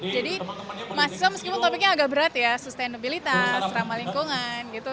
jadi mahasiswa meskipun topiknya agak berat ya sustainability ramah lingkungan gitu